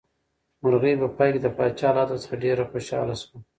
مرغۍ په پای کې د پاچا له عدل څخه ډېره خوشحاله شوه.